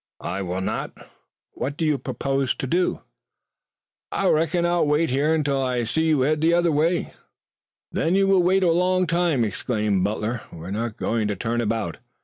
"I will not." "What do you propose to do?" "I reckon I'll wait here till I see you headed t'other way." "Then you will wait a long time," exclaimed Butler. "We are not going to turn about.